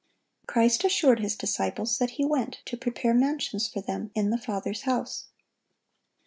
Christ assured His disciples that He went to prepare mansions for them in the Father's house.